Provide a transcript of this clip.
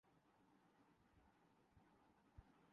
مرضی سے زندگی گرز سکیں